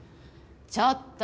ちょっと！